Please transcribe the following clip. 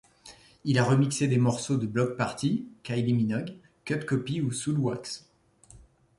Il a remixé des morceaux de Bloc Party, Kylie Minogue, Cut Copy ou Soulwax.